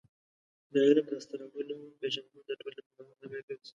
د علم د لاسته راوړنو پیژندل د ټولنې پرمختګ لامل ګرځي.